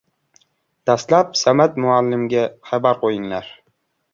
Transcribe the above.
Dastlab Samad muallimga xabar qo‘yinglar.